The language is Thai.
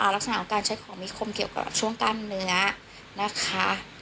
ลักษณะของการใช้ของมีคมเกี่ยวกับช่วงกล้ามเนื้อนะคะ